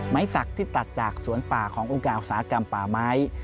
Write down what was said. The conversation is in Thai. สักที่ตัดจากสวนป่าขององค์การอุตสาหกรรมป่าไม้